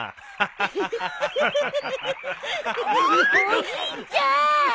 おじいちゃん！